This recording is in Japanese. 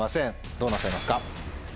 どうなさいますか？